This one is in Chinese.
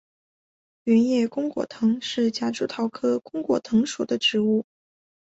圆叶弓果藤是夹竹桃科弓果藤属的植物。